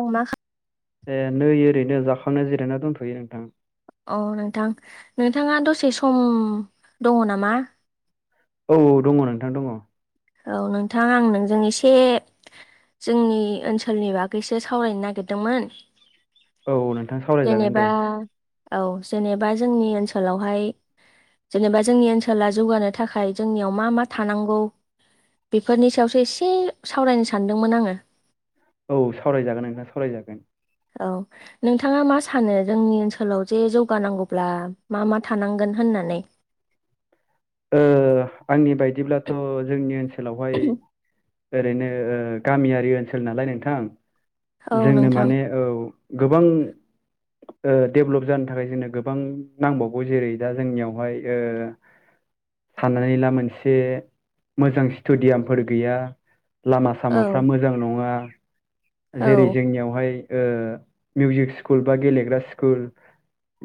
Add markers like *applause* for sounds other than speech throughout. आं मा ए नै ओरैनो जाखांनाय जिरायना दोनथ'यो नोंथां। अ नोंथां नोंथाङा दसे सम दङ नामा? औ औ दङ नोंथां दङ। औ नोंथां आं नोंजों एसे जोंनि ओनसोलनि बागैसो सावरायनो नागिरदोंमोन। औ नोंथां सावरायजागोन जेनेबा दे औ जेनेबा जोंनि ओनसोलावहाय जेनेबा जोंनि ओनसोला जौगानो थाखाय जोंनियाव मा मा थानांगौ। बेफोरनि सायावसो एसे सावरायनो सानदोंमोन आङो। औ सावरायजागोन नोंथा सावरायजागोन। औ नोंथाङा मा सानो जोंनि ओनसोलाव जे जौगानांगौब्ला मा मा थानांगोन होन नानै ओ आंनि बायदिब्लाथ' जोंनि ओनसोलावहाय ओरैनो ओ गामियारि ओनसोल नालाय नोंथां औ जोंनो नोंथां माने औ। गोबां डेभलप जानो थाखाय जोंनो गोबां नांबावगौ जेरै दा जोंनियावहाय ओ साननानै लामा औ सामाफ्रा मोजां नङा जेरै औ जोंनियावहाय ओ मिउजिक स्कुल बा गेलेग्रा स्कुल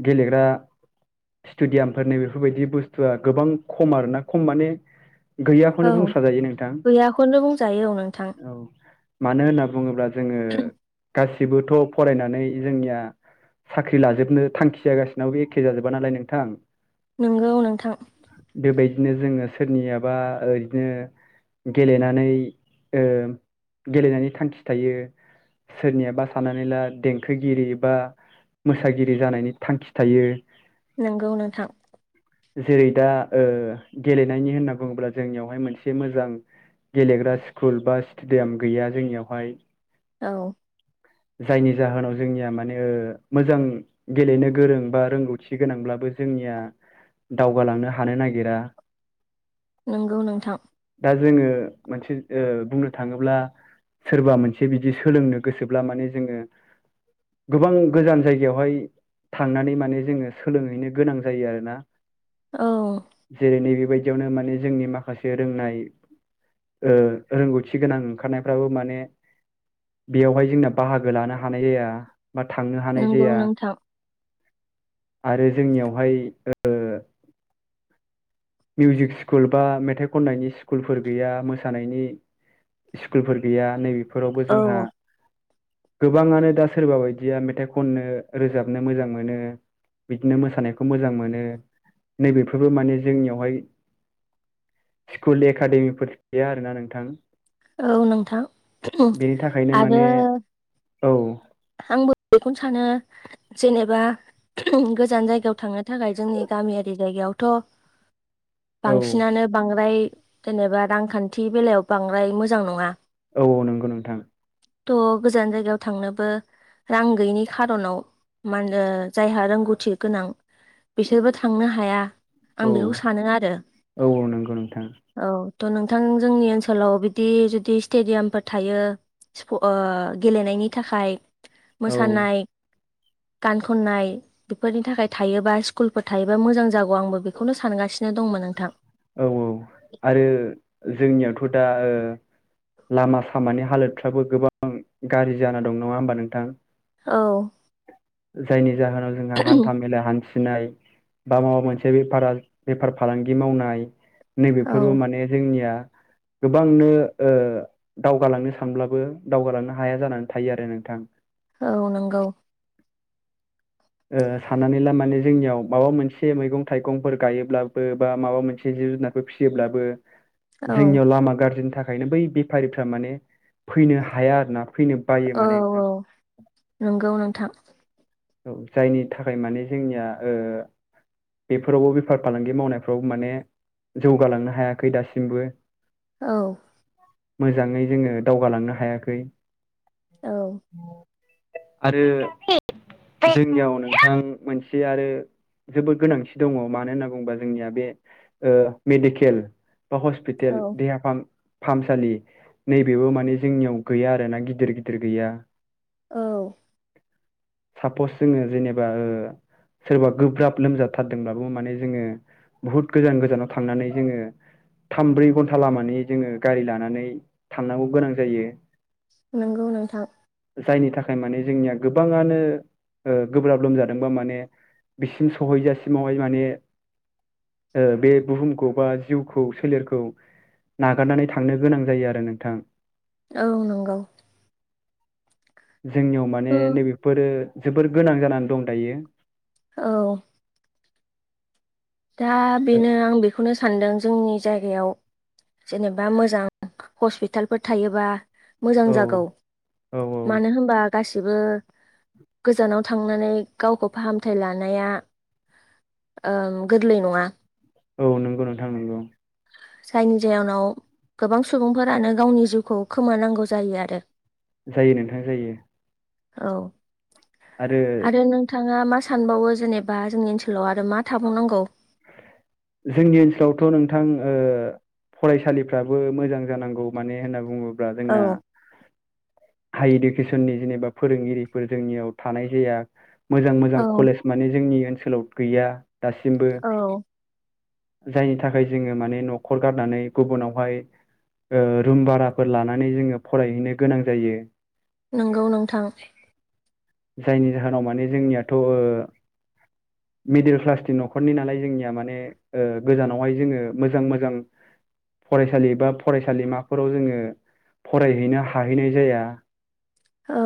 गेलेग्रा स्टेडियामफोरनि बेफोरबायदि बुस्थुआ गोबां खम आरोना। खम माने औ गैयाखौनो बुंस्रा जायो नोंथां गैयाखौनो बुंजायो औ नोंथां औ। मानो होनना बुङोब्ला जोङो गासिबोथ' फरायनानै जोंनिया साख्रि लाजोबनो थांखिया गासिबनाबो एखे जाजोबा नालाय नोंथां। नोंगौ नोंथां। बेबायदिनो जोङो सोरनियाबा ओरैनो गेलेनानै ओ गेलेनायनि थांखि थायो। सोरनियाबा साननानै ला देंखोगिरि बा मोसागिरि जानायनि थांखि थायो। नोंगौ नोंथां। जेरै दा ओ गेलेनायनि होनना बुङोब्ला जोंनियावहाय मोनसे मोजां गेलेग्रा स्कुल बा स्टेडियाम गैया जोंनियावहाय। औ। जायनि जाहोनाव जोंनिया माने ओ मोजां गेलेनो गोरों बा रोंगौथि गोनांब्ला बो जोंनिया दावगालांनो हानो नागिरा नंगौ नोंथां। दा जोङो मोनसे ओ बुंनो थाङोब्ला सोरबा मोनसे बिदि सोलोंनो गोसोब्ला माने जोङो गोबां गोजान जायगायावहाय थांनानै माने जोङो सोलोंहैनो गोनां जायो आरोना। औ जेरै नैबे बेबायदियावनो माने जोंनि माखासे रोंनाय ओ रोंगौथि गोनां ओंखारनायफ्राबो माने बेयावहाय जोंना बाहागो लानो हानाय जाया बा थांनो हानाय नंगौ जाया। नोंथां आरो जोंनियावहाय ओ मिउजिक स्कुल बा मेथाइ खननायनि स्कुलफोर गैया, मोसानायनि स्कुलफोर गैया, नैबेफोरावबो औ जोंहा गोबाङानो दा सोरबा बायदिया मेथाइ खननो रोजाबनो मोजां मोनो। बिदिनो मोसानायखौ मोजां मोनो नैबेफोरबो माने जोंनियावहाय स्कुल एकाडेमिफोर गैया आरोना नोंथां। औ नोंथां बेनि थाखायनो आरो माने औ आंबो बेखौनो सानो जेनेबा गोजान जायगायाव थांनो थाखाय जोंनि गामियारि जायगायावथ' औ बांसिनानो बांद्राय जेनेबा रांखान्थि बेलायाव बांद्राय मोजां नङा औ औ नंगौ नोंथां। थ' गोजान जायगायाव थांनोबो रां गैयिनि खार'नाव मान ओ जायहा रोंगौथि गोनां बिसोरबो थांनो हाया। आं औ बेखौ सानो आरो औ नंगौ नोंथां औ थ' नोंथां जोंनि ओनसो लाव बिदि जुदि स्टेडियामफोर थायो स्कु ओ गेलेनायनि थाखाय औ मोसानाय, गान खननाय बेफोरनि थाखाय थायोबा स्कुलफोर थायोबा मोजां जागौ आंबो बेखौनो सानगासि नो दंमोन नोंथां। औ औ आरो जोंनियावथ' दा ओ लामा सामानि हालोदफ्राबो गोबां गाज्रि जाना दं नङा होमबा नोंथां औ जायनि जाहोनाव जोंहा हान्था मेला हान्थि नाय बा माबा मोनसे बेफार बेफार फालांगि मावनाय औ नैबेफोरबो माने जोंनिया गोबांनो ओ दावगालांनो सानब्लाबो दावगालांनो हाया जानानै थायो आरो नोंथां औ नंगौ ओ साननानै ला माने जोंनियाव माबा मोनसे मैगं थाइगंफोर गायोब्लाबो बा माबा मोनसे जिब जुनारफोर फिसियोब्लाबो औ जोंनियाव लामा गाज्रिनि थाखायनो बै बेफारिफ्रा माने फैनो हाया आरोना फैनो बायो औ माने नोंथां औ नंगौ नोंथां औ जायनि थाखाय माने जोंनिया ओ बेफोरावबो बेफार फालांगि मावनायफ्राव माने जौगालांनो हायाखै दासिमबो औ मोजाङै जोङो दावगालांनो हायाखै औ आरो जोंनियाव नोंथां मोनसे आरो जोबोद गोनांथि दङ मानो होनना बुङोबा जोंनिया बे मेडिकेल बा हस्पिटेल औ देहाफाम फाहामसालि नैबेबो माने जोंनियाव गैया आरो ना गिदिर गिदिर गैया औ सापस जोङो जेनेबा ओ सोरबा गोब्राब लोमजाबाथारदोंब्लाबो माने जोङो बहुत गोजान गोजानाव थांनानै जोङो थाम ब्रै घन्टा लामानि जोङो गारि लानानै थांनांगौ गोनां जायो। नंगौ नोंथां। जायनि थाखाय माने जोंनिया गोबाङानो। गोब्राब लोमजादोंबा माने बिसिम सहैजासिमावहाय माने। बे बुहुमखौ बा जिउखौ सोलेरखौ नागारनानै थांनो गोनां जायो आरो नोंथां। औ नंगौ। जोंनियाव माने नैबेफोरो जोबोर गोनां जानानै दं दायो। औ। दा बेनो आं बेखौनो सानदों जोंनि जायगायाव जेनेबा मोजां हस्पिटालफोर थायोबा। मोजां ओ जागौ औ मानो होनबा। गासिबो गोजानाव थांनानै गावखौ फाहामथाय लानाया। गोरलै नङा। औ नंगौ नोंथां नंगौ। जायनि जाहोनाव गोबां सुबुंफोरानो गावनि जिउखौ खोमानांगौ जायो आरो। जायो नोंथां जायो। औ आरो नोंथाङा मा सानबावो जेनेबा जोंनि ओनसोलाव आरो मा थाबावनांगौ। जोंनि ओनसोलावथ' नोंथां। फरायसालिफ्राबो मोजां जानांगौ माने होनना बुङोब्ला औ जोंना हाइ इडुकेसननि जेनेबा फोरोंगिरिफोर जोंनियाव थानाय जाया। मोजां मोजां औ कलेज माने जोंनि ओनसोलाव गैया दासिमबो। औ। जायनि थाखाय जोङो माने न'खर गारनानै गुबुनावहाय रुम भाराफोर लानानै जोङो फरायहैनो गोनां जायो। नंगौ नोंथां। जायनि जाहोनाव माने जोंनियाथ'। मिडिल क्लासनि न'खरनि नालाय। जोंनिया माने गोजानावहाय जोङो मोजां - मोजां फरायसालि बा फरायसालिमाफोराव जोङो फरायहैनो हाहैनाय जाया। औ।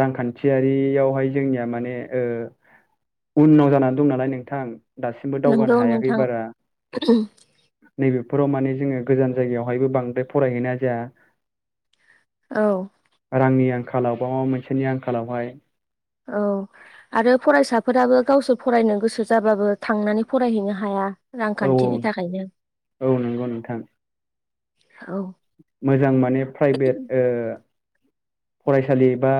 रांखान्थियारियावहाय जोंनिया माने। उनाव जानानै दं नालाय नोंथां दासिमबो नंगौ दावगानो हायाखै नोंथां बारा। नैबेफोराव माने जोङो गोजान जायगायावहायबो बांद्राय फरायहैनाय जाया। औ। रांनि आंखालाव बा माबा मोनसेनि आंखालावहाय। औ आरो फरायसाफोराबो गावसोर फरायनो गोसो जाबाबो थांनानै फरायहैनो हाया। औ रांखान्थिनि थाखायनो। औ नंगौ नोंथां औ मोजां माने प्राइभेट। फरायसालि बा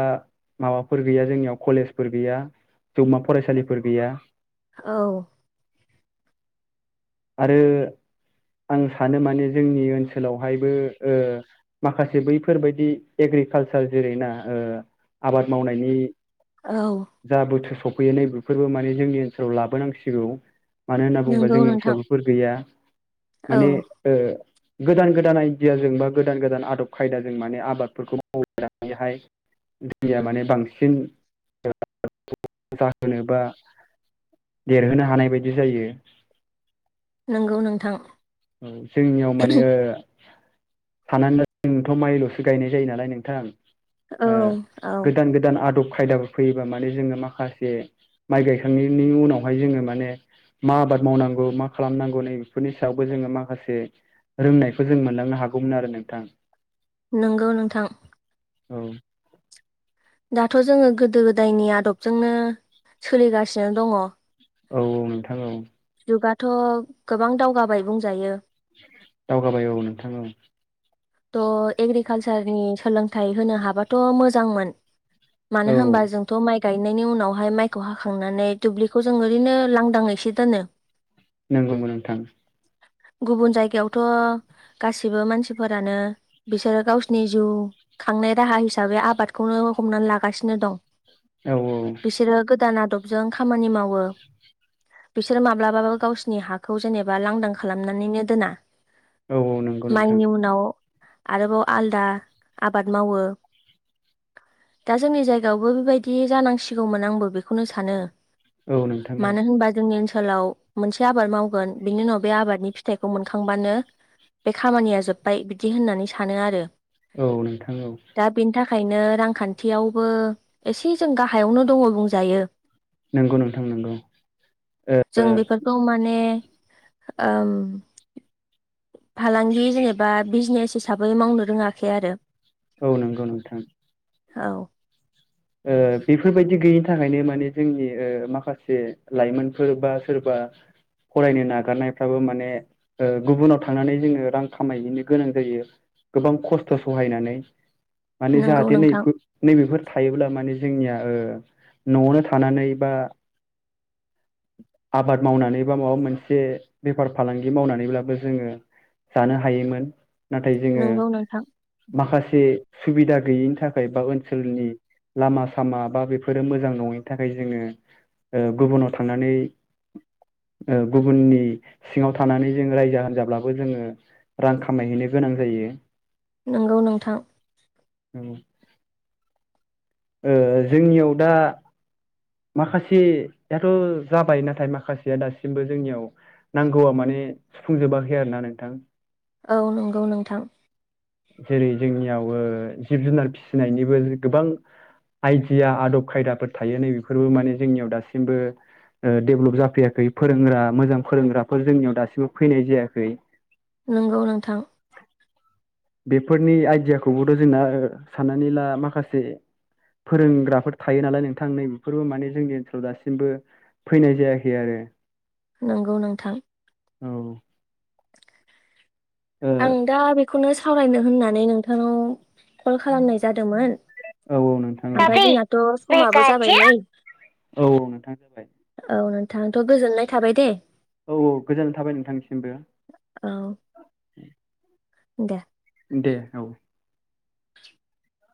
माबाफोर गैया जोंनियाव कलेजफोर गैया। जौमा फरायसालिफोर गैया। औ। आरो। आं सानो माने जोंनि ओनसोलावहायबो माखासे बैफोरबायदि। एग्रिकालसार जेरैना आबाद मावनायनि औ जा बोथोर सफैयो नै बेफोरबो माने जोंनि ओनसोलाव लाबोनांसिगौ। मानो होनना बुङोबा नंगौ जोंनि नोंथां ओनसोलाव बेफोर गैया औ माने। गोदान- गोदान आइडियाजों बा गोदान - गोदान आदब खायदाजों माने आबादफोरखौ मावनाय हाय दैया माने बांसिन जाहोनोबा देरहोनो हानाय बायदि जायो नंगौ नोंथां औ जोंनियाव मानो साना जोंथ' माइल'सो गायनाय जायो नालाय नोंथां औ ओ औ गोदान - गोदान आदब खायदाफोर फैयोबा माने जोङो माखासे माइ गायखांनायनि उनावहाय जोङो माने मा आबाद मावनांगौ मा खालामनांगौ नै बेफोरनि सायाव बो जोङो माखासे रोंनायखौ जों मोनलांनो हागौमोन आरो नोंथां नंगौ नोंथां औ दाथ' जोङो गोदो - गोदायनि आदबजोंनो सोलिगासिनो दङ औ- औ नोंथां औ जुगाथ' गोबां दावगाबाय बुंजायो दावगाबाय औ नोंथां औ थ एग्रिकालसारनि सोलोंथाइ होनो हाबाथ' मोजांमोन मानो औ होनबा जोंथ' माइ गायनायनि उनावहाय माइखौ हाखांनानै दुब्लिखौ जों ओरैनो लांदाङैसो दोनो नंगौबो नोंथां गुबुन जायगायावथ' गासिबो मानसिफोर फोरानो बिसोरो गावसिनि जिउ खांनाय राहा हिसाबै आबादखौनो हमनानै लागासिनो दं औ बिसोरो गोदान आदबजों खामानि मावो बिसोर माब्लाबाबो गावसिोरनि हाखौ जेनेबा लांदां खालामनानैनो दोना औ नंगौ नोंथां माइनि उनाव आरोबाव आलदा आबाद मावो दा जोंनि जायगायावबो बेबायदि जानांसिगौमोन आंबो बेखौनो सानो औ नोंथां मानो होनबा जोंनि ओनसो सोलाव मोनसे आबाद मावगोन बेनि उनाव बे आबादनि फिथाइखौ मोनखांबानो बे खामानिया जोब्बाय बिदि होननानै सानो आरो औ नोंथां औ खायनो रांखान्थियावबो एसे जों गाहायावनो दङ बुंजायो नंगौ नोंथां नंगौ जों बेफोरखौ माने ओम फालांगि जेनेब बा बिजनेस हिसाबै मावनो रोङाखै आरो औ नंगौ नोंथां औ ओ बेफोरबायदि गैयैनि थाखायनो माने जोंनि ओ माखासे लाइमोनफोर बा सोरबा फरायनो नागारनायफ्राबो माने ओ गुबुनाव थांनानै जोङो रां खामायहैनो गोनां जायो गोबां खस्थ' सहायनानै माने नंगौ जाहाथे नै नोंथां नैबेफोर ब्ला माने जोंनिया ओ न'आवनो थानानै बा आबाद मावनानै बा माबा मोनसे बेफार फालांगि मावनानैब्लाबो जोङो जानो हायोमोन नाथाय जोङो नंगौ नोंथां माखासे जे सुबिदा गैयिनि थाखाय बा ओनसोलनि लामा सामा बा बेफोरो मोजां नङैनि थाखाय जोङो ओ गुबुनाव थानानै ओ गुबुननि सिङाव थानानै जों रायजा होनजाब्लाबो जोङो रां खामायहैनो गोनां जायो नोंगौ नोंथां नोंगौ ओ जोंनियाव दा माखासेयाथ' जाबाय नाथाय माखासेया दासिमबो जोंनियाव नांगौआ माने सुफुंजोबाखै आरो ना नोंथां औ नंगौ नोंथां। जेरै जोंनियाव ओ जिब जुनार फिसिनायनिबो गोबां आइडिया आदब खायदाफोर थायो नै बेफोरबो माने जोंनियाव दासिमबो ओ डेभेलप जाफैयाखै फोरोंग्रा मोजां फोरोंग्राफोर जोंनियाव दासिमबो फैनाय जायाखै नोंगौ नोंथां। बेफोरनि आइडियाखौबोथ' जोंना साननानै ला माखासे फोरोंग्राफोर थायो नालाय नोंथां नै बेफोरबो माने जोंनि ओनसोलाव दासिमबो फैनाय जायाखै आरो। *inaudible* नंगौ नोंथां। औ ओ आं दा बेखौनो सावरायनो होननानै नोंथांनाव कल खालामनाय जादोंमोन औ औ नोंथां औ ओमफ्राय जोंनाथ' समाबो जाबाय नै औ नोंथां जाबाय। आंथ' गोजोननाय थाबाय दे औ औ गोजोननाय थाबाय नोंथांनिसिमबो। औ दे दे औ